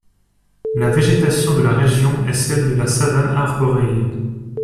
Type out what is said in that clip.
La végétation de la région est celle de la savane arborée.